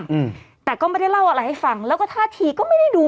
อืมแต่ก็ไม่ได้เล่าอะไรให้ฟังแล้วก็ท่าทีก็ไม่ได้ดู